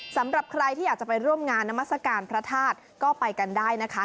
สำหรับใครที่อยากจะไปร่วมงานนามัศกาลพระธาตุก็ไปกันได้นะคะ